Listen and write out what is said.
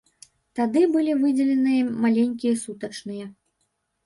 Тады былі выдзеленыя маленькія сутачныя.